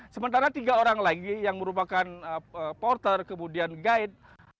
sementara tiga orang lagi yang merupakan porter kemudian guide